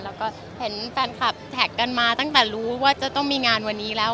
แล้วก็เห็นแฟนคลับแท็กกันมาตั้งแต่รู้ว่าจะต้องมีงานวันนี้แล้ว